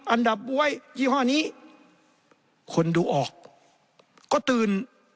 อันดับบ๊วยยี่ห้อนี้คนดูออกก็ตื่น